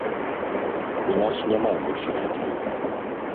У нас няма больш радыё.